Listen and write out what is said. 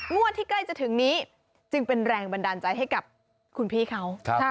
งวดที่ใกล้จะถึงนี้จึงเป็นแรงบันดาลใจให้กับคุณพี่เขา